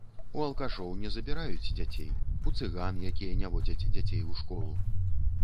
У алкашоў не забіраюць дзяцей, у цыган, якія не водзяць дзяцей у школу.